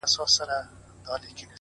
• ځان یې خپل دئ نور د هر چا دښمنان,